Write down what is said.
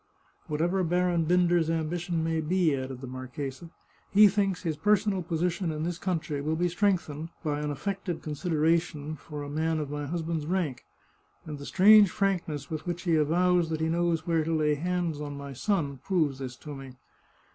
' Whatever Baron Binder's ambition may be," added the marchesa, " he thinks his personal posi tion in this country will be strengthened by an affected con sideration for a man of my husband's rank, and the strange frankness with which he avows that he knows where to lay his hand on my son proves this to me.